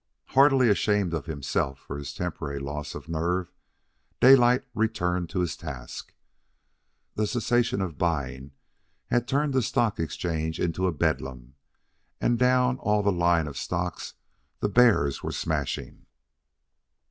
Heartily ashamed of himself for his temporary loss of nerve, Daylight returned to his task. The cessation of buying had turned the Stock Exchange into a bedlam, and down all the line of stocks the bears were smashing.